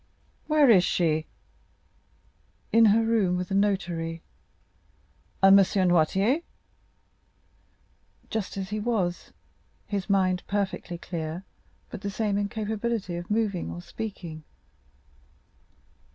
"Where is she?" "In her room with the notary." "And M. Noirtier?" "Just as he was, his mind perfectly clear, but the same incapability of moving or speaking."